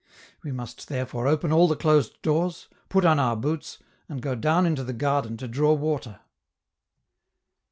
We must therefore open all the closed doors, put on our boots, and go down into the garden to draw water.